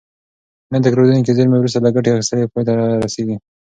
نه تکرارېدونکې زېرمې وروسته له ګټې اخیستنې پای ته رسیږي.